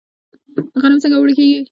غنم څنګه اوړه کیږي؟